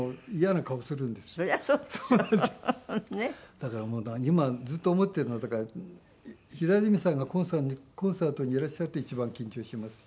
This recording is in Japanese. だから今ずっと思っているのは平泉さんがコンサートにいらっしゃると一番緊張しますし。